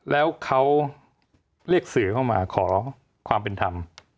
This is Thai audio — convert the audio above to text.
แล้วเขาเรียกสื่อเข้ามาขอความเป็นธรรม